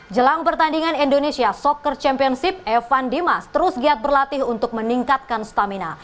jelang pertandingan indonesia soccer championship evan dimas terus giat berlatih untuk meningkatkan stamina